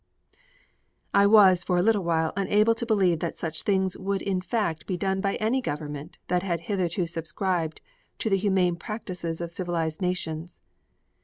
I was for a little while unable to believe that such things would in fact be done by any government that had hitherto subscribed to the humane practices of civilized nations.